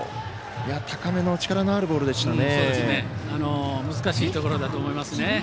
高めの力のあるボールでしたね。